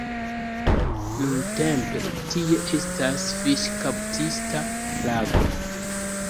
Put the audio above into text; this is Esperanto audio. Nuntempe tie estas fiŝkaptista lago.